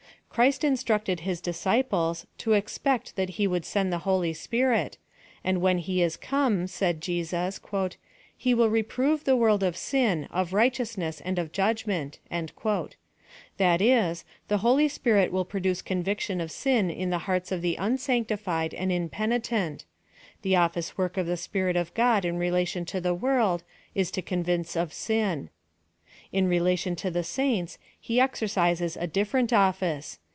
Christ instructed his disciples to expect that he would send the Holy Spirit, and when he is come, said Jesus, "He will reprove the world of sin, of right eousness, and of judgment :" that is, the Holy Spirit will produce conviction of sin in the hearts of the unsanctified and impenitent: — the ofRce work of the Spirit of God in relation to the world, is to con vince of sin. In relation to the saints, he exercises a different office.